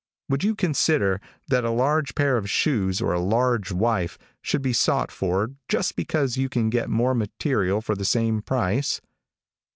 Would you consider that a large pair of shoes or a large wife should be sought for just because you can get more material for the same price?